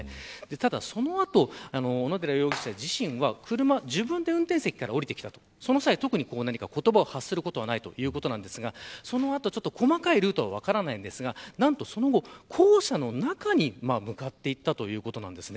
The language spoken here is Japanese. ただその後、小野寺容疑者自身は自分で運転席から下りてきたそのとき言葉を発することはなかったということですが細かいルートは分かりませんがなんと、その後校舎の中に向かっていったということです。